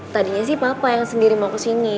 tadinya sih papa yang sendiri mau kesini